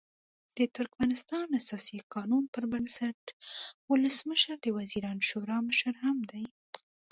د ترکمنستان اساسي قانون پر بنسټ ولسمشر د وزیرانو شورا مشر هم دی.